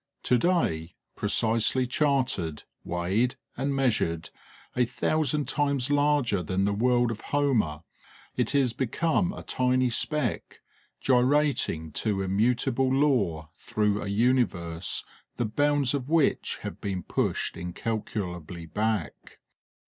To day, precisely charted, weighed, and measured, a thousand times larger than the world of Homer, it is become a tiny speck, gyrating to immutable law through a universe the bounds of which have been pushed incalculably back.